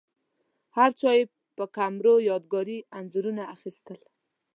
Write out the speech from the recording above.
هرچا یې په کمرو یادګاري انځورونه اخیستل.